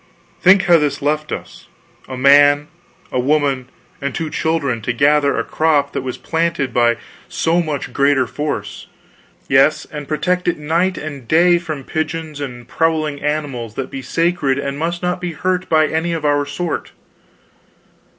Think how this left us; a man, a woman and two children, to gather a crop that was planted by so much greater force, yes, and protect it night and day from pigeons and prowling animals that be sacred and must not be hurt by any of our sort.